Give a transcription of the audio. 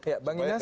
ya bang ines